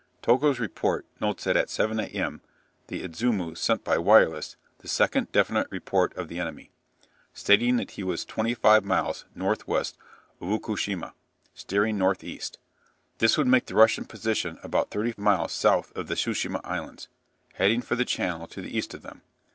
Togo's report notes that at 7 a.m. the "Idzumo" sent by wireless the second definite report of the enemy, stating that he was twenty five miles north west of Ukushima, steering north east. This would make the Russian position about thirty miles south of the Tsu shima Islands, heading for the channel to the east of them.